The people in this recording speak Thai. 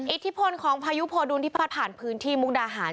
อิทธิพลของพายุโพดุลที่พัดผ่านพื้นที่มุกดาหาร